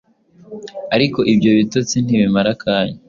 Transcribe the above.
ariko ibyo bitotsi ntibimara akanya.